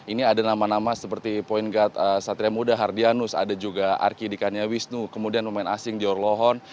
ini ada nama nama seperti point guard satria muda hardianus ada juga arki dikaniawisnu kemudian pemain asing jorlohon